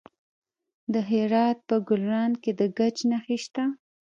د هرات په ګلران کې د ګچ نښې شته.